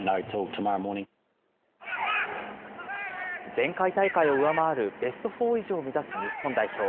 前回大会を上回るベストフォー以上を目指す日本代表。